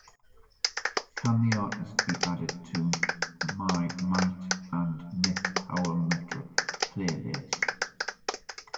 Can the artist be added to my Might and Myth Power Metal playlist?